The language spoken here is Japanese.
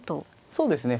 そうですね。